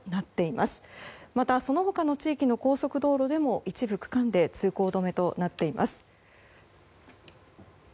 また、その他の地域の高速道路でも一部区間で通行止めとなっています。